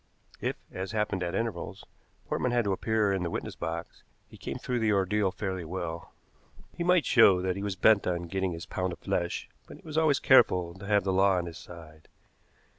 If, as happened at intervals, Portman had to appear in the witness box, he came through the ordeal fairly well. He might show that he was bent on getting his pound of flesh, but he was always careful to have the law on his side.